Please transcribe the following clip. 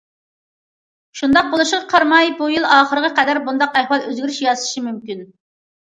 شۇنداق بولۇشىغا قارىماي، بۇ يىل ئاخىرىغا قەدەر بۇنداق ئەھۋال ئۆزگىرىش ياسىشى مۇمكىن.